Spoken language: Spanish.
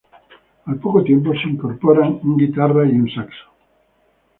Al poco tiempo se incorporan una guitarra y un saxo.